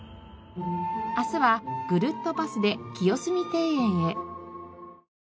明日はぐるっとパスで清澄庭園へ。